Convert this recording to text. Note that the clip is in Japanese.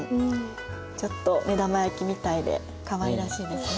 ちょっと目玉焼きみたいでかわいらしいですね。